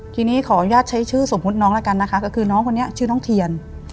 ทีนี้ขออนุญาตใช้ชื่อสมมุติน้องแล้วกันนะคะก็คือน้องคนนี้ชื่อน้องเทียน